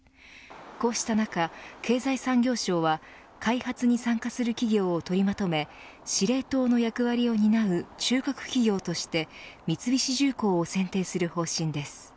こうした中、経済産業省は開発に参加する企業を取りまとめ司令塔の役割を担う中核企業として三菱重工を選定する方針です。